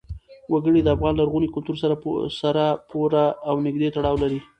وګړي د افغان لرغوني کلتور سره پوره او نږدې تړاو لري.